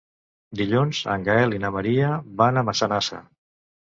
Dilluns en Gaël i na Maria van a Massanassa.